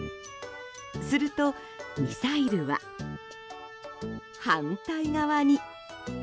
すると、ミサイルは反対側に。